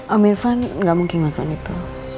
om irfan gak mungkin melakukan itu